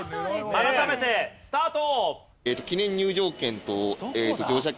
改めてスタート！